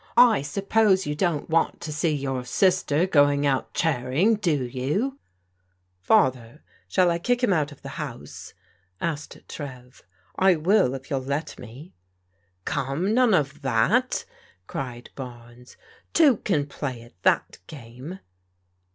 " I suppose you don't want to see your sister going out charing, do you ?"Father, shall I kick him out of the house?" asked Trev. " I will, if you'll let me." "Come, none of that !" cried Barnes, " Two can play at that game